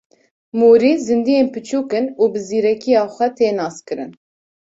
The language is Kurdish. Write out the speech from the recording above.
Mûrî zîndiyên biçûk in û bi zîrekiya xwe tên naskirin.